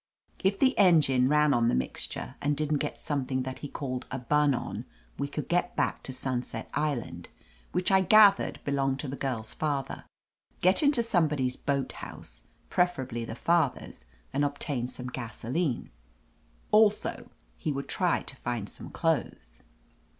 If the engine ran on the mixture, and didn't get something that he called a "bun on," we could g^t back to Sunset Island, which I gathered belonged to the girl's father, get into somebody's boat house (preferably the fa ther's) and obtain some gasoline. Also, he would try to find some clothes.